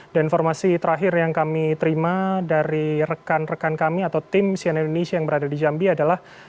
dan informasi terakhir yang kami terima dari rekan rekan kami atau tim sian indonesia yang berada di jambi adalah